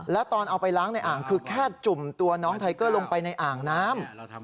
แล้วตอนเอาไปล้างในอ่างคือแค่จุ่มตัวน้องไทเกอร์ลงไปในอ่างน้ำ